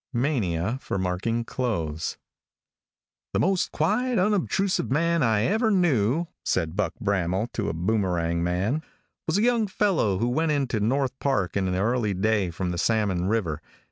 MANIA FOR MARKING CLOTHES. |THE most quiet, unobtrusive man I ever knew," said Buck Bramel to a Boomekang man, "was a young fellow who went into North Park in an early day from the Salmon river.